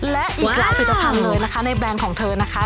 และอีกหลายผลิตภัณฑ์เลยนะคะในแบรนด์ของเธอนะคะ